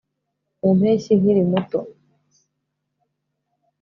mu mpeshyi nkiri muto